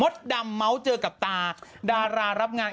มดดำเจอกับตาดารารับงาน๑๙๒๘